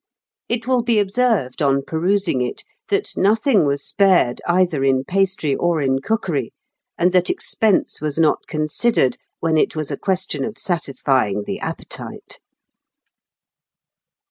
It will be observed on perusing it that nothing was spared either in pastry or in cookery, and that expense was not considered when it was a question of satisfying the appetite.